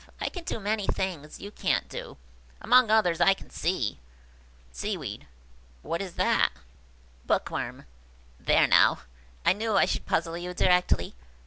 I can do many things you can't do; among others, I can see." Seaweed. "What is that?" Bookworm. "There, now! I knew I should puzzle you directly!